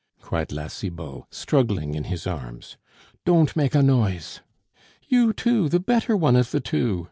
cried La Cibot, struggling in his arms. "Don't make a noise!" "You too, the better one of the two!"